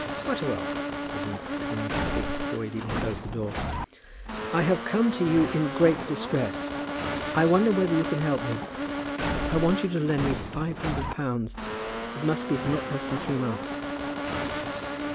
"Butterwell," said he, beginning to speak before he had even closed the door, "I have come to you in great distress. I wonder whether you can help me; I want you to lend me five hundred pounds? It must be for not less than three months."